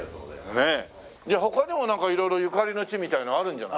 他にも色々ゆかりの地みたいなのあるんじゃないですか？